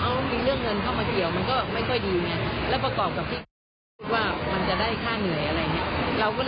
ความหมายเขาจะถือสารกับมูลให้ห้าร้านเขาจะถ่ายห้าร้าน